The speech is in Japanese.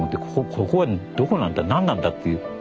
ここはどこなんだ何なんだっていう。